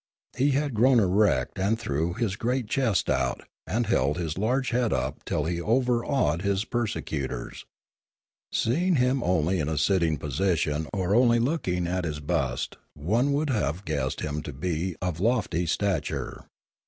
He had grown erect and threw his great chest out and held his large head up till he overawed his persecutors. Seeing him only in a sitting position or looking only at his bust one would have guessed him to be of lofty stature.